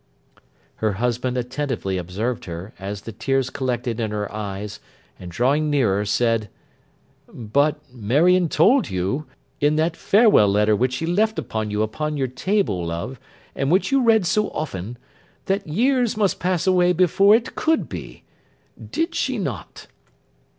Her husband attentively observed her, as the tears collected in her eyes; and drawing nearer, said: 'But, Marion told you, in that farewell letter which she left for you upon your table, love, and which you read so often, that years must pass away before it could be. Did she not?